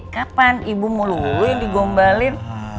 kapan ibu muluin digombalin